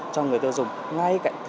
cho người tiêu dùng ngay cảnh